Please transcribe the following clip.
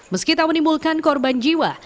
meskipun menimbulkan korban jiwa